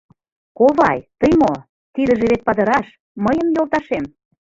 — Ковай, тый мо, тидыже вет Падыраш, мыйын йолташем.